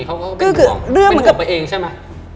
เขาก็เป็นห่วงเป็นห่วงไปเองใช่ไหม